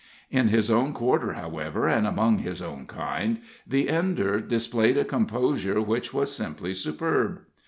In his own quarter, however, and among his own kind, the Ender displayed a composure which was simply superb.